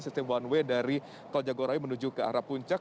sistem one way dari tol jagorawi menuju ke arah puncak